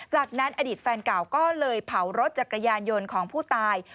จากนั้นอดีตแฟนเก่าก็เลยเผารถจักรยานยนต์ของผู้ตาย